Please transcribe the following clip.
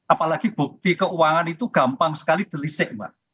apalagi bukti keuangan itu gampang sekali delisik mbak